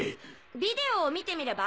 ビデオを観てみれば？